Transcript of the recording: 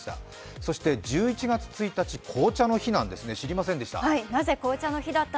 そして１１月１日、紅茶の日なんですね、知りませんでした。